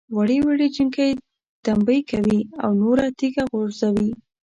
وړې وړې جنکۍ دمبۍ کوي او نور تیږه غورځوي.